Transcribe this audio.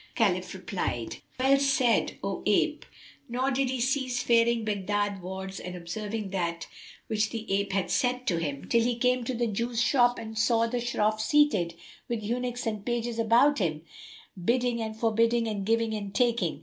Khalif replied, "Well said, O ape," nor did he cease faring Baghdad wards and observing that which the ape had said to him, till he came to the Jew's shop and saw the Shroff seated, with eunuchs and pages about him, bidding and forbidding and giving and taking.